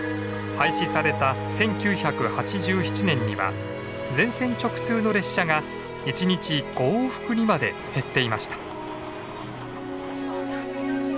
廃止された１９８７年には全線直通の列車が１日５往復にまで減っていました。